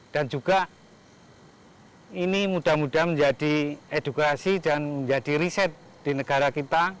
dan juga ini mudah mudahan menjadi edukasi dan menjadi riset di negara kita